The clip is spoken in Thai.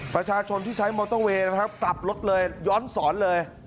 ประชาชนที่ใช้มอเตอร์เวย์นะครับกลับรถเลยย้อนสอนเลย